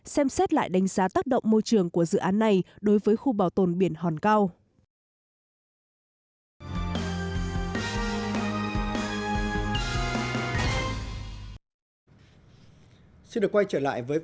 xem xét lại đánh giá tác động môi trường của dự án này đối với khu bảo tồn biển hòn cao